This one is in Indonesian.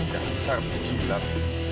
dia besar kecil dan